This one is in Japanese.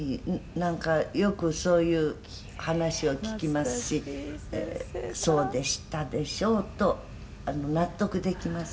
なんかよくそういう話を聞きますしそうでしたでしょうと納得できます」